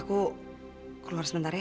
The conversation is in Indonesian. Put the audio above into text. aku keluar sebentar ya